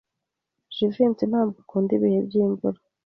Jivency ntabwo akunda ibihe by'imvura.